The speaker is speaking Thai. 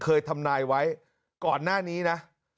ทำนายไว้ก่อนหน้านี้นะ